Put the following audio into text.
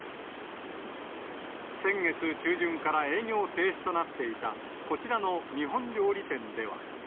先月中旬から営業停止となっていた、こちらの日本料理店では。